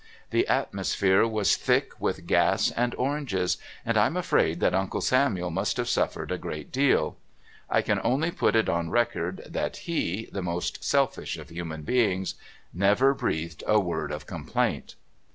The atmosphere was thick with gas and oranges, and I'm afraid that Uncle Samuel must have suffered a great deal. I can only put it on record that he, the most selfish of human beings, never breathed a word of complaint.